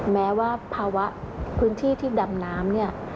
แม้ว่าภาวะพื้นที่ที่ดำน้ำเนี่ย